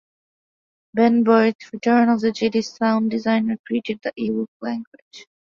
Ben Burtt, "Return of the Jedi"'s sound designer, created the Ewok language.